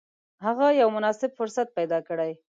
هغه یو مناسب فرصت پیدا کړي.